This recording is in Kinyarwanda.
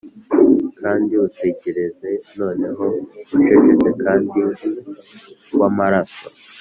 kandi utegereze noneho, ucecetse kandi wamaraso,